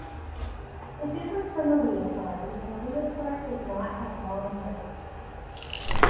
It differs from a leotard in that a leotard does not have long legs.